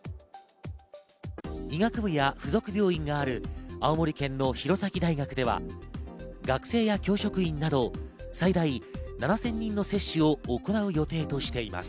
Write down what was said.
医学部や附属病院がある青森県の弘前大学では、学生や教職員など最大７０００人の接種を行う予定としています。